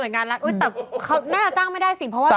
อุ๊ยแต่เขาน่าจะจ้างไม่ได้สิ